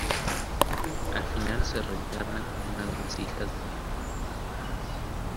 Al final se reencarna con una de las hijas de Mel.